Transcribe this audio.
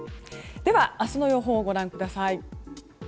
明日の予報をご覧ください。